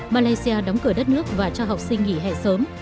malaysia đóng cửa đất nước và cho học sinh nghỉ hè sớm